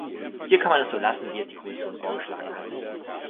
Hier kann man es so lassen, wie es die Kommission vorgeschlagen hat.